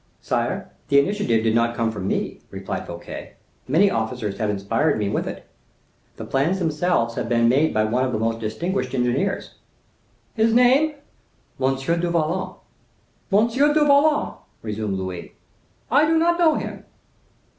"Sire, the initiative did not come from me," replied Fouquet; "many officers have inspired me with it. The plans themselves have been made by one of the most distinguished engineers." "His name?" "M. du Vallon." "M. du Vallon?" resumed Louis; "I do not know him.